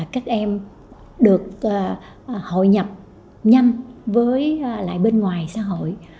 các em được hội nhập nhanh với lại bên ngoài xã hội